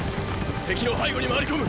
敵の背後に回り込む！